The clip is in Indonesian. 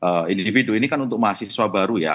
karena individu ini kan untuk mahasiswa baru ya